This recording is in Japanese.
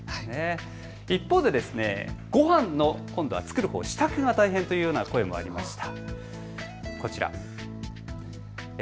一方でごはんの作るほう、支度が大変という声もありました。